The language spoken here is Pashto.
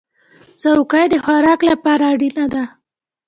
چوکۍ د خوراک لپاره اړینه ده.